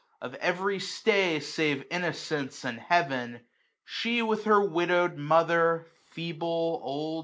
Of every stay, save Innocence and Heavek^ iSo She, with her widoW'd mother, feeble, old.